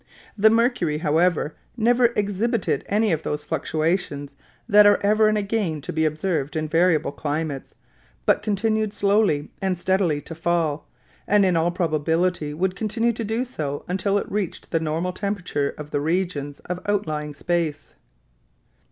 The mercury, however, never exhibited any of those fluctuations that are ever and again to be observed in variable climates, but continued slowly and steadily to fall, and in all probability would continue to do so until it reached the normal temperature of the regions of outlying space.